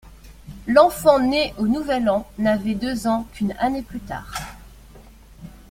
L’enfant né au nouvel an n’avait deux ans qu’une année plus tard.